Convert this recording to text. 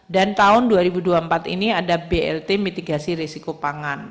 dan tahun dua ribu dua puluh empat ini ada blt mitigasi risiko pangan